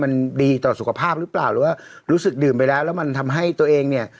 มันดีต่อสุขภาพหรือเปล่าหรือว่ารู้สึกดื่มไปแล้วแล้วมันทำให้ตัวเองเนี่ย